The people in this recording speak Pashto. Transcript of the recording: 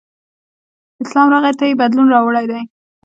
اسلام راغی ته یې بدلون راوړی دی.